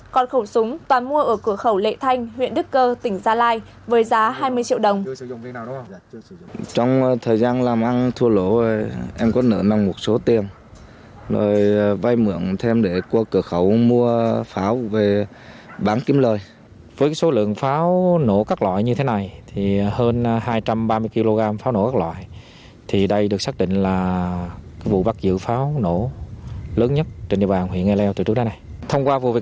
còn khẩu súng toàn mua ở cửa khẩu lệ thanh huyện đức cơ tỉnh gia lai với giá hai mươi triệu đồng